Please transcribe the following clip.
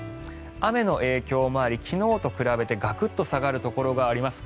雨の影響もあり、昨日と比べてガクッと下がるところがあります。